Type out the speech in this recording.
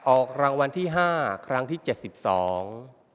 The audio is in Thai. ออกรางวัลที่ห้าครั้งที่เจ็ดสิบสอง